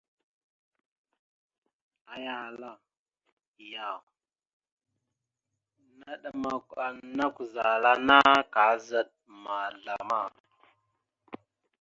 Aya ahala: « Yaw, naɗmakw a nakw zal anna, kaazaɗ ma zlama? ».